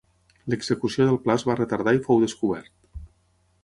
L'execució del pla es va retardar i fou descobert.